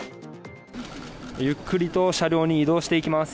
ゆっくりと車両に移動してきます。